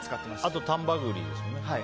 あと丹波栗ですよね。